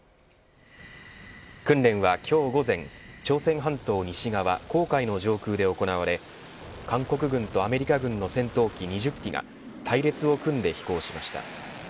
訓練は今日午前朝鮮半島西側黄海の上空で行われ韓国軍とアメリカ軍の戦闘機２０機が隊列を組んで飛行しました。